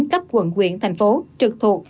cấp quận quyện thành phố trực thụ